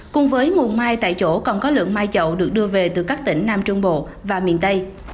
cùng với mùa mai tại chỗ còn có lượng mai chậu được đưa về từ các tỉnh nam trung bộ và miền tây